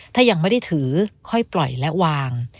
ถ้ายังไม่ได้ถือค่อยปล่อยและวาง